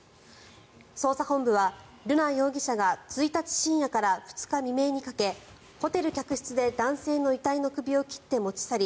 捜査本部は瑠奈容疑者が１日深夜から２日未明にかけホテル客室で男性の遺体の首を切って持ち去り